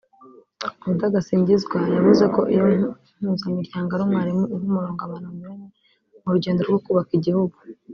Oda Gasinzigwa yavuze ko iyo mpuzamiryango ari umwarimu uha umurongo abantu banyuranye mu rugendo rwo kubaka igihugu